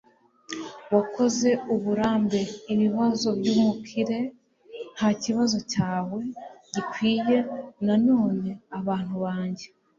wakoze uburambe ibibazo byumukire ntakibazo cyawe gikwiye nanone. bantu banjye